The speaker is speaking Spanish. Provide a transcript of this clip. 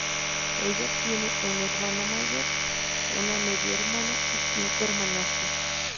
Ella tiene un hermano mayor, una media hermana y cinco hermanastros.